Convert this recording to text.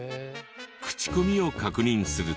クチコミを確認すると。